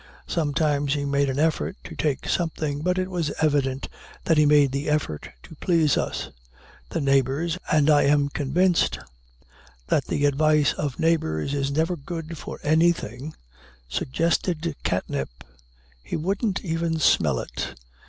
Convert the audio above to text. Sometimes he made an effort to take something, but it was evident that he made the effort to please us. The neighbors and I am convinced that the advice of neighbors is never good for anything suggested catnip. He wouldn't even smell it.